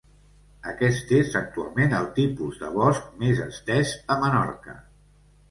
Aquest és actualment el tipus de bosc més estès a Menorca.